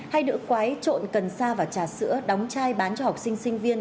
hay nữ quái trộn cần sa vào trà sữa đóng chai bán cho học sinh sinh viên